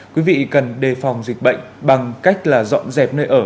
quý vị cần đề phòng dịch bệnh bằng cách là dọn dẹp nơi ở